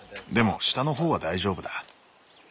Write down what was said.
でも下の方は大丈夫だ。